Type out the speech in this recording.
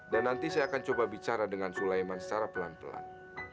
dan nanti saya akan coba bicara dengan sulaiman secara pelan pelan